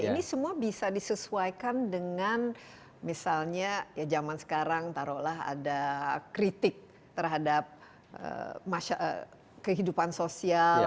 ini semua bisa disesuaikan dengan misalnya ya zaman sekarang taruhlah ada kritik terhadap kehidupan sosial